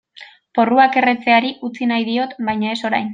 Porruak erretzeari utzi nahi diot baina ez orain.